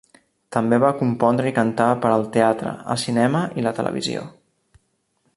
També va compondre i cantar per al teatre, el cinema i la televisió.